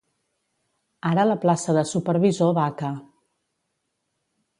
Ara la plaça de supervisor vaca.